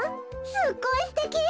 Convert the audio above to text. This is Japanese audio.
すっごいすてき！